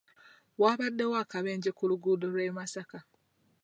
Waabaddewo akabenje ku luguudo lw'e Masaka.